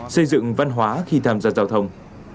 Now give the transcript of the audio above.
xây dựng văn hóa khi tham gia giao thông